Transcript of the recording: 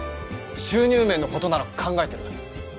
収入面の事なら考えてる。